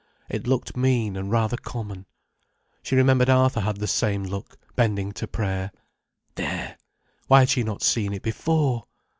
It looked mean and rather common. She remembered Arthur had the same look, bending to prayer. There!—why had she not seen it before!